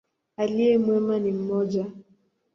Aliye mwema ni mmoja.